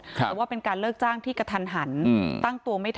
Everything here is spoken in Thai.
แต่ว่าเป็นการเลิกจ้างที่กระทันหันตั้งตัวไม่ทัน